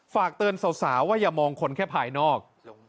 ฝากเตือนสาวว่าอย่ามองคนแค่ภายนอก